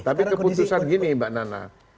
tapi keputusan gini mbak nana